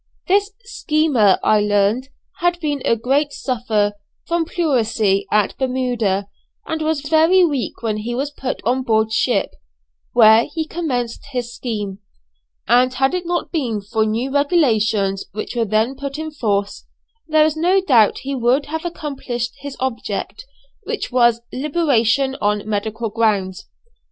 This "schemer," I learned, had been a great sufferer from pleurisy at Bermuda, and was very weak when he was put on board ship, where he commenced his scheme; and had it not been for new regulations which were then put in force, there is no doubt he would have accomplished his object, which was "Liberation on medical grounds."